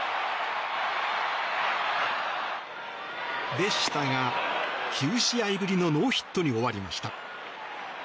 でしたが、９試合ぶりのノーヒットに終わりました。